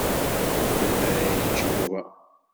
Melmi ara yečč Yuba?